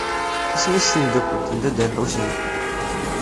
Isem-is tmeddakelt n Dda Lḥusin?